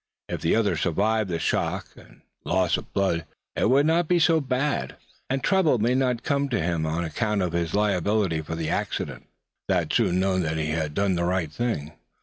If the other survived the shock, and loss of blood, it would not be so bad; and trouble might not come home to him on account of his liability for the accident. Thad soon knew that he had done the right thing.